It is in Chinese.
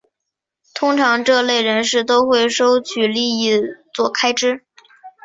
通常这类人士都会收取利益作开支。